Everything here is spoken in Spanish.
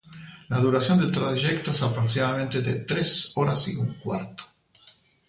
La duración del trayecto es aproximadamente de tres horas y un cuarto.